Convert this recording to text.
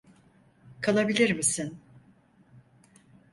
Kalabilir misin?